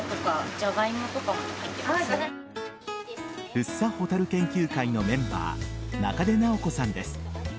福生ホタル研究会のメンバー中出直子さんです。